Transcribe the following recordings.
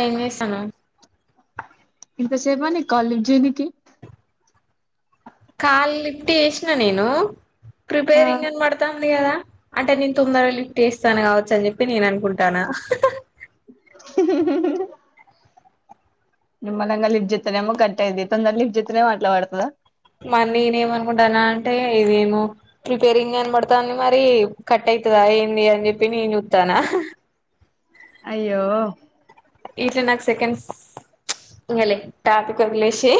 ఏమ్ చేస్తున్నావ్ ఇంతా సేపు ఆ నీకు కాల్ లిఫ్ట్ చేయనికి కాల్ లిఫ్ట్ చేసిన నేను ఆ ప్రిపేరింగ్ అని పడత ఉంది కదా అంటే నేను తొందరగా లిఫ్ట్ చేస్తాను కావచ్చ అని చెప్పి నేను అనుకుంటాన నిమ్మలంగా లిఫ్ట్ చెత్తనేమో కట్ అయిద్ధి తొందర లిఫ్ట్ చెత్తనేమో అట్లా బడతాదా మరి నేనేమో అనుకుంటాన్న అంటే ఇదేమో ప్రిపేరింగ్ అని పడతాంది మరి కట్ అయి అయాతదా ఏంది అని చెప్పి నేను చూత్తనా అయ్యో ఇట్ల నాకు సెకండ్స్లే ఇంగ లే టాపిక్ వదిలేసేయ్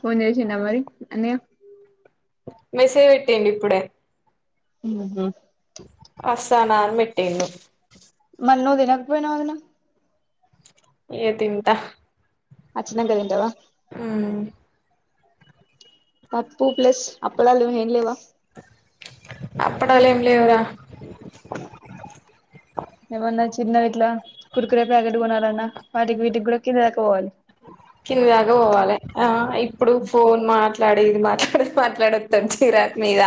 ఫొన్ చేసిండా మరి అన్నయ్య మెసేజ్ పెట్టేయండి ఇప్పుడే ఉహు వస్తన్నా అని పెట్టిండు మల్ల నువ్వు తీనక పోయినా వదిన ఇగ తింటా వచ్చినంకా తింటావా తప్పుూ ప్లస్ అప్పడాలు లే ఏం లేవా అప్పడాలు ఏం లేవ్ రా ఏమన్నా చిన్నవి ఇట్లా కూర్కురే ప్యాకెట్లు కోనాలన్నా వాటికి వీటికి కూడా కిందకు పోవాలి కింద దాగా పోవాలి ఆ ఇప్పుడు ఫోన్ మాట్ మాట్లాడు ఇది మాట్లాడు మాట్డొద్దాం చిరాకు మీద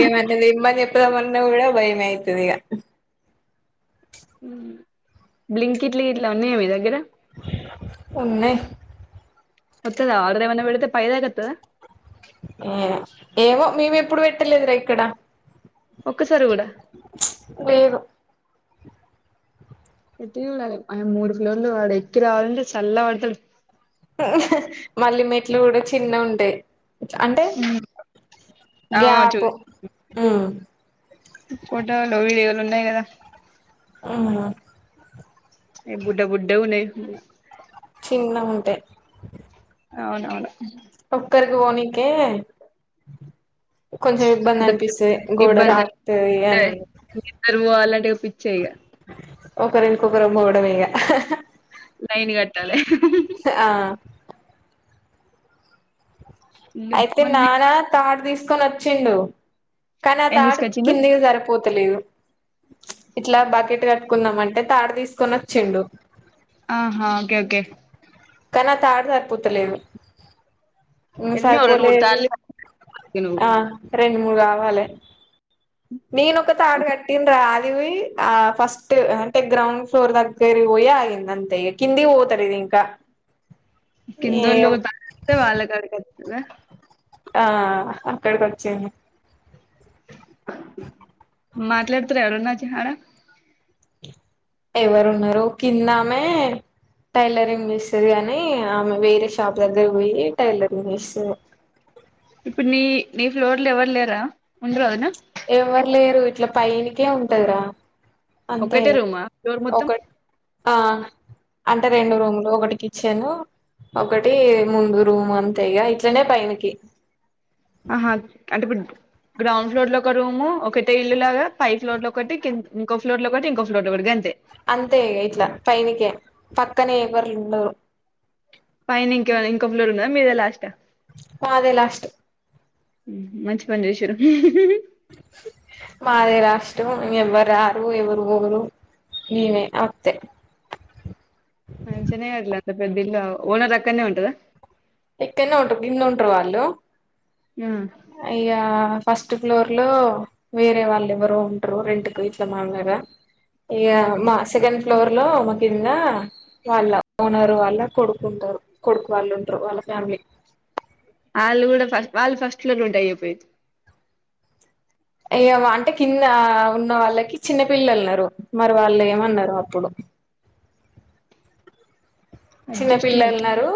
ఏమది తేమ్మని చెప్పు చెప్తామన్న కూడా భయం అయితది ఇగ ఉ బ్లింకిట్ ఇట్లా గిట్ల ఉన్నాయా మీ దగ్గర ఉన్నాయ్ వత్తదా ఆర్డర్ ఏమన్నా పెడీతే పై దాకా వత్తాద ఏ ఏమో మేమి ఎప్పుడు పెట్టలేదురా ఇక్కడ ఒక్కసారి కూడా లేదు గట్టిగా ఉండాలే మూడు పోర్లు వాడు ఎక్కి రావాలంటే చల్ల పడతడు మల్లీ మెట్లు కూడా చిన్న ఉంటాయి అంటే ఆ గ్యాప్ ఫోటోలో వీడియోలు ఉన్నాయి కదా ఆ ఏ బుఢా బుఢవునే చిన్న ఉంటాయి అవునవును ఉక్కరుకి పోనీక కొంచెం ఇబ్బంది అంత అనిపిస్తుంది గోడ రాకుతు అని మీద్దరు పో అలాంటి ఒక పిచ్చయగా ఒకరు ఇంకొకరు పోవడ ఇక ైన్ కట్టాలి ఆ ఇల్లు అయితే దోమలు ఉన్నాయి కదా నానా తాడు తీసుకొని వచ్చిండు కానీ అ ఏం త ఆడు తీసుకొచ్చిండు కిందికి సరిపోతలేదు ఇట్లా బకెట్ కట్టుకుందాం అంటే తాడ తీసుకున్న చెండు ఆహా ఓకే ఓకే కానీ తాడ సరిపోతలేదు ఎన్నో రెండు సపోలే మూడు సార్లు నువ్వు ఆ రెండు మూడు కావాలి నేను ఒక తాడు కట్టిండ్రా అది ఆ ఫస్ట్ అంటే గ్రౌండ్ ఫ్లోర్ దగ్గ పోయి ఆగింద అంత ఈ కిందకి పోతారు ఇంకా ఏ కిందోళ్ళ వాళ్ళ కడకితుద ఆ అక్కడికి వచ్చింది మాట్లాడుతారు ఎవరున్నాచ్చ హార ఎవరు ఉన్నార కిందమే టైలరింగ్ చేస్తుంది గానీ ఆమె వేరే షాప్ దగ్గర పోయి టైలరింగ్ చేస్తుంది బ ఇప్పుడు నీ నీ ఫ్లోర్ లో ఎవరు లేరా ఉండరుదునా ఎవరు లేరు ఇట్లా పైనికే ఉంటదా అంతే ఒక్కటే రూమా ఫ్లోర్ మొత్తం ఒకటి ఆ అంటే రెండు రూమ్లు ఒకటి క వచ్చాను ఒకటి ముందు రూమ్ అంతేగా ఇట్లనే పకి ఆహ అంటేబ గ్రౌండ్ ఫ్లోర్ లో ఒక రూము ఒకటే ఇల్లులాగా పై ఫ్లోర్ లో ఒకటి ఇంకో ఫ్లోర్ లో ఒకటి ఇంకో ఫ్లోర్ లో ఒకటిగా అంతే అంతే ఇట్లా పైనికే పక్కనే ఎవర్లు ఉండరు పైన ఇంక ఇంకొ ప్లోర్ ఉదా మీదే లాస్ట్ ఆ అదే లాస్ట్ మంచి పని చేశారు మాద రాష్టం ఎవ్వరు ఆరు ఎవరు ఊరు ననే అతే చెననేట్లే అంత పెద్దిల్ ఓనర్ అక్కనే ఉంటదా ఎక ఉంట ఇన్న ఉంట్ర అల్లు అయ్యా ఫస్ట్ ఫస్ట్ ఫ్లోర్ లో వేరే వాళ్ళు ఎవరు ఉంటరు రెంట్ కు ఇట్ల మామళగా ఇక మా సెకండ్ ఫ్లోర్ లో మ కింద వాళ్ళ ఓనర్ వాళ్ళ కొడుకుంట కొడుకు వాళ్ళు ఉండరు వాళ్ళ ఫ్యామిలీ వాళ్ళు కూడా ఫస్ట్ వాళ్ళు ఫస్ట్ లోనే ఉంటా అయిపోయి ఏమ అంటే కింద ఉన్న వాళ్ళకి చిన్న పిల్లన్నారు మరి వాళ్ళు ఏమన్నారు అప్పుడు చిన్న అడ్జస్ట్మెంట్ పిల్లలున్నారు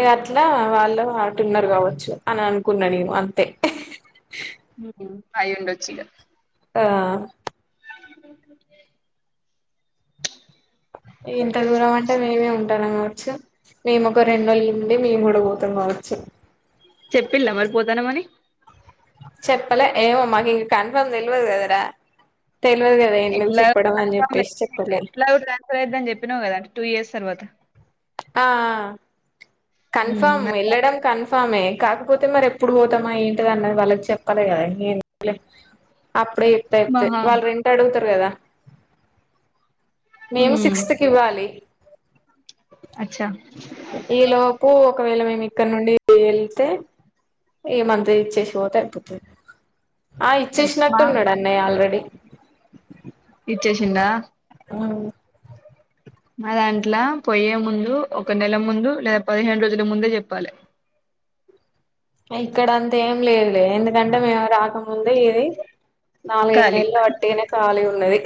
ఇ అట్లా వాళ్ళు అటు ఉన్నారు కావచ్చు అని అనుకున్నా నేను అంతే అయి ఉండొచ్చు ఇగ ఆ ఇంత దూరం అంటే మేమే ఉంటం కావచ్చు మేము ఒక రెండు రోజులు ఈడ ఉండి మేము కూడా పోతాం కావచ్చు చెప్పిల్లా మరి పోతానమ్ అని చెప్పలే ఏమో మాకు ఇంకా కన్ఫర్మ్ తెలియదు కదరా తెల్వదు కదా ఎందుకు ఎట్లా చెప్పడం అని చెప్పేసి చెప్పలే ఎట్లాగో ట్రాన్స్ఫర్ అయితా అని చెప్పినవ్ కదా టూ ఇయర్స్ తర్వాత ఆ ఉమ్, కన్ఫర్మ్ మరి వెళ్లడం కన్ఫామే కాకపోతే మరి ఎప్పుడు పోతామా ఎం అన్నది వాళ్ళకి చేప్పులే కదా ఇగా ఎందుకులే అప్పుడే చెప్తే అయిపోతది మహా వాళ్ళు రెంట్ అడుగుతారు కదా మేం ఉమ్, సిక్స్త్ కి ఇవ్వాలి అచ్చా ఈ లోపు ఒకవేళ మేము ఇక్కడ నుండి వెళ్తే ఏ మంత్ ఇచ్చేసి పోతే అయిపోతుంది ఆ మా ఇచ్చేసినట్టు ఉన్నాడు అన్నయ్య ఆల్రెడీ చేసిండా అవును మా దాట్ల పయ్యే ముందు ఒక నెల ముందు లేదా పదిహేను రోజుల ముందే చెప్పాలి ఇక్కడ అంతా ఏం లేదు ఎందుకంటే మేము రా రాకముందు ఇది నాలుగైదు ఖాళీ నెలలు వాటికనే కాలిగా ఉన్నది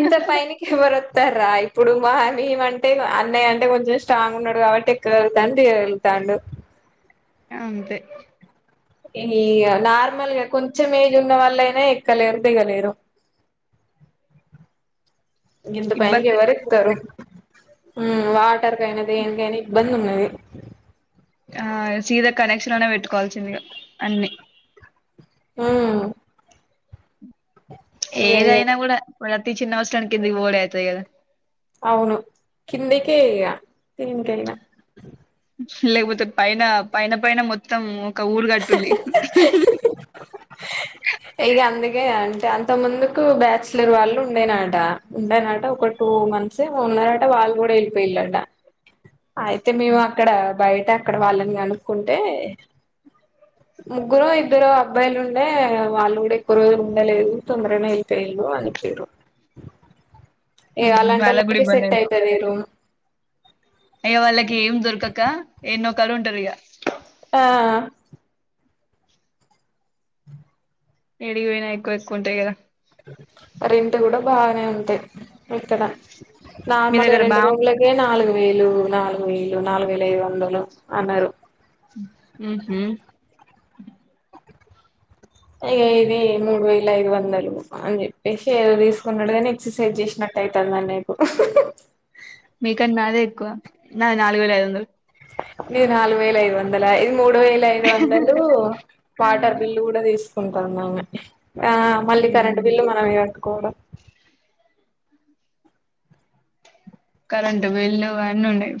ఇంత పైనికి ఎవరు వ స్తార ఇప్పుడు మా మేము అంటే అన్నయ్య అంటే కొంచెం స్ట్రాంగ్ ఉన్నాడు కాబట్టి ఎక్కగలుగుతాడు దిగగలుతుండు తాడు అంతే ఈ నార్మల్గా కొంచెం ఏజ్ ఉన్న వాళ్ళయినా ఎక్కలేరు దిగలేరు ఇంత ఇబ్బంది పైకెవరేకుతారు వాటర్ కైనా దేనికైనా ఇబ్బంది ఉన్నది ఆ సీదా కనెక్షన్ లోనే పెట్టుకోవాల్సిందిగా అన్నిీ హ ఏదైనా కూడా ప్రతి చిన్న వస్తువుకు కింద పోవుడే అయితది కదా అవును కిందికే ఇగ ఇంకేనా లేకపోతే పైన పైన పైన మొత్తం ఒక ఊరు కాటూరి ే అంటే అంత ముందుకు బ్యాచలర్ వాళ్ళు ఉండేనట ఉండనట ఒక టూ మంత్స్న్ ఉన్నారంట వాళ్లు కూడా వెళ్లిపోయారంట అయితే మేము అక్కడ బయట అక్కడ వాళ్ళని కనుకుంటే ముగ్గురో ఇద్దరో అబ్బాయిలు ఉండే వాళ్ళు కూడా ఎక్కువ రోజులు ఉండలేదు తొందరనే వెళ్ళపోళ్ళు అని ఇగా అలాంటి వాళ్ళకి కూడా వాళ్లకే సెట్ అయితది ఈ రూమ్ హే వాళ్లకేం దొరకక ఎన్నో కాడ ఉంటారు ఇగ ఆ ఏడికి పోయిన ఎక్కువ ఎక్కువ ఉంటాయి కదా రెంటు కూడా బానే ఉంది ఇక్కడ మీ నార్మల్ గా దగ్గర రెండు రూమ్లకే నాలుగు వేలు నాలుగు వేలు నాలుగు వేల ఐదు వందలు అన్నారు ఉమ్మ్ అ ఇది మూడు వేల ఐదు వందలు అని చెప్పేసి ఏదో తీసుకున్నాడు కాని ఎక్సర్సైజ్ చేసినట్ అయితాందా నీకు మీకన్నా నాదే ఎక్కువ నాది నాలుగు వేల ఐదు వందలు ఇది నాలుగు వేల ఐదు వందల ఇది మూడు వేల యిదు వందలు వాటర్ బిల్లు కూడా తీసుకుంటది అమ్మే ఆ మళ్ళీ కరెంటు బిల్లు మనమే కట్టుకోవాలి కరెంటు బిల్లు అన్నీ ఉన్నాయి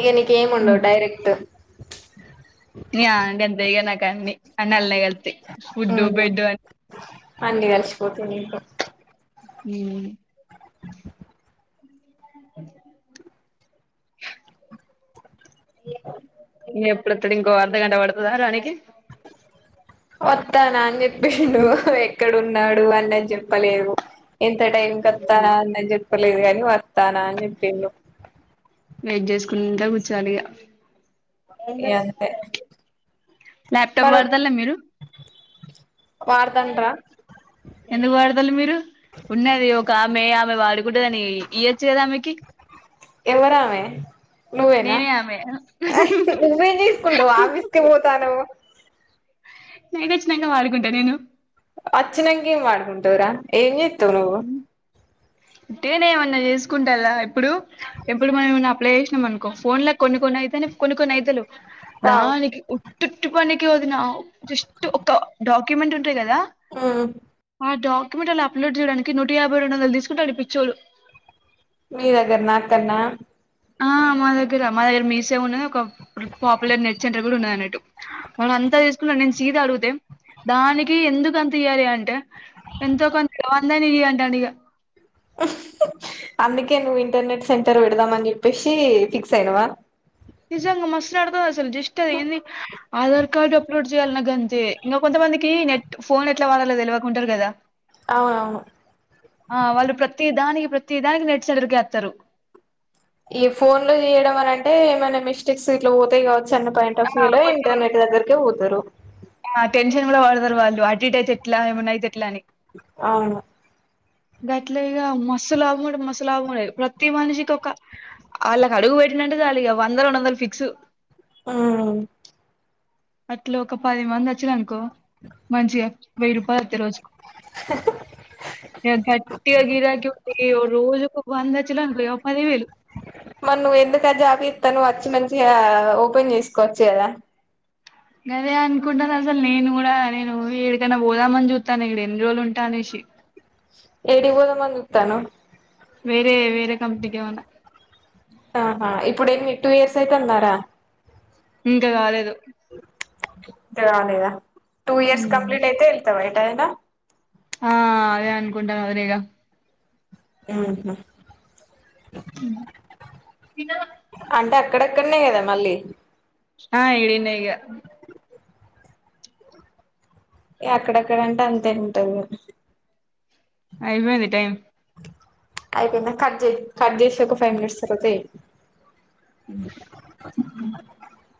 ఇక నీకు ఏం ఉండవు డైరెక్ట్ అన్ని అన్నే వత్తయ్ నాకు ఫుడ్ బెడ్డు అ అన్నీ కలిసిపోతయి ఇగ ఉమ్ ఎప్పుడప్పుడికి ఇంకో అర్ధగంట పడుతుందారా నీ కి వస్తాను అని చెప్పిండు ఎక్కడున్నాడు అని చెప్పలేదు ఎంత టైం కస్తానా అని చెప్పలేదు గాని వస్ తనా అనిజెప్పిండు కింద కూర్చోవాలి ఇగ ల్యాప్టాప్ మనం వాడతల మీరు వాడతంట్రా ఎందుకు వాడతాల మీరు ఉన్నది ఒక ఆమె ఆమె వాడుకున్ టాదని ఈయచ్చు కదా అమెకి ఎవరామే నువ్వేనా నేనే ఆమె నువ్వేం చేసుకుంటావు్ ఆఫీస్కి పోతానవ్ నై నచ్చినంగా వాడుకుంటా నేను అచ్చినంగ ఏం వాడుకుంటావ్ రా ఏంజేత్తవ్ నువ్వు టిఫెన్ ఏమన్నా చేసుకుంటలా ఇప్పుడు ఎప్పుడు మనం అప్లై చేసినాం అనుకో ఫోన్ లో కొన్ని కొన్ని అయితనాయ్ కొన్ని కొన్ని ఐ తలేవ్ రావు దానికి ఉట్టు ఉట్టు పనికి వదిన జస్ట్ ఒక డాక్యుమెంట్ ఉంటాయి కదా ఆ ఆ డాక్యుమెంట్ అలా అప్లోడ్ చేయడానికి నూట యాభై రెండు వందలు తీసుకుంటాడు పిచ్చోలు మీ దగ్గర నా అ కన్నా ఆ మా దగ్గర మా దగ్గర మీసే ఉన్నది ఒక ఇప్పు పాపులర్ నెట్ సెంటర్ కూడా ఉన్న అన్నట్టు వాళ్ళ అంతా చేసుకున్నా నేను చీద అడుగుతే దానికి ఎందుకు అంత ఇయాలి అంటే ఎంతో కొంతవందని ఇ్యంట అండి ఇక ఆ అందుకే నువ్ ఇంటర్నెట్ సెంటర్ పెడదాం అని చెప్పేసి ఫిక్స్ అయినావా నిజంగా మస్ నడతది అసలు జస్ట్ అది ఎన్ది ఆధార్ కార్డు అప్లోడ్ చేయాలగంతే కొంతమందికి నెట్ ఫోన్ ఎట్లా వాడాలో తెలివక ఉంటారు కదా అవునవును ఆ వాళ్ళు ప్రతి దానికి ప్రతి దానికి నెంట్ సెంటర్క్ ఎత్తారు ఈ ఫోన్ లో చేయడం అనింటే ఏమైనా మిస్టేక్స్ ఇట్లా పోతాయి కావ చన్న పాయింట్ ఆఫ్ ఆ వ్యూ లో కొంచెం ఇంటర్నట్ దగ్గరే ఓతారు ఆ టెన్షన్ కూడా వాడతారు వాళ్ళు అటిట్ల అయితే ఎట్లా ఏమన్నాయితే ఎట్లా అని అవును గట్లో ఇగ మస్సు లాభం టె మస్సులాభం ఉన్నది ప్రతి మనిషికి ఒక ఆళ్ళకి అడుగు పెట్నంటే చాలిఇగా వంద రెండువందలు ఫిక్స్ ఆ అట్లు ఒక పది మంది వచ్చారునుకో మంచిగా వెయి రూపాయల అతే రోజుకు ఇగ గట్టిగ గిరాకి ఏ ఓ రోజుకు వందచ్చలుంట ఒక పదివేలు మర్ నువ్వు ఎందుక జాబ్ ఏతనవ్ వచ్చి మంచిగా ఓపెన్ చేసుకోవచ్చు కదా అదే అనుకుంటాన అసలు నేను కూడా నేను ఏడికైనా పోదామని చూస్తనా ఈడ ఎన్ని రోజులు ఉంటా అనేసి ఏ డికి పోదామని జూత్తనవ్ వేరేవే ఆహా ఇప్పుడేన్ని టూ ఇయర్స్ అయితఅంద రా ఇంకా కాలేదు కా గలేదా టూ ఇయర్స్ ఉమ్ కంప్లీట్ అయితే ఎల్ తవా ఎటయినా ఆ అదే అనుకుంటాను మరీ ఇగ ఆహ తిన్నారా అంటే అక్కడక్కడనే కదా మళ్ళీ ఆ ఇడనే ఈగ ఎక్కడక్కడంటే అంతేంటంది అయిపోంది టైం అయిపోయింద కట్ చేయ్ కట్ చేసి ఒక ఫైవ్ మినిట్స్ తర్వాత [inaudible]